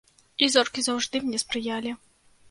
І зоркі заўжды мне спрыялі.